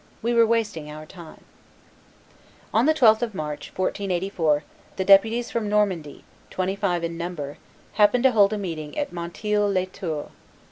We were wasting our time." On the 12th of March, 1484, the deputies from Normandy, twenty five in number, happened to hold a meeting at Montils les Tours.